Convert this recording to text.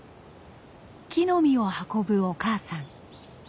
木の実を運ぶお母さん。